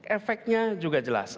efeknya juga jelas